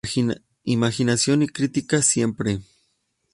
Imaginación y crítica", "Siempre!